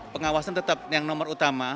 pengawasan tetap yang nomor utama